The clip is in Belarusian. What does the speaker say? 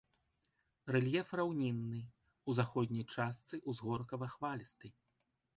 Рэльеф раўнінны, у заходняй частцы ўзгоркава-хвалісты.